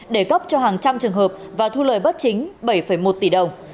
để cấp cho hàng trăm trường hợp và thu lời bất chính bảy một tỷ đồng